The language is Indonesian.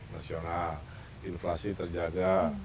nasional inflasi terjaga